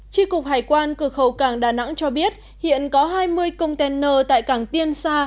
tri cục hải quan cửa khẩu cảng đà nẵng cho biết hiện có hai mươi container tại cảng tiên sa